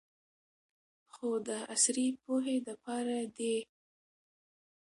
خو د عصري پوهې د پاره دې